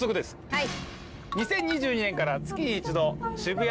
はい！